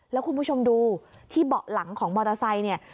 แล้วคุณผู้ชมดูที่เบาะหลังของมอเตอร์ไซค์เนี่ย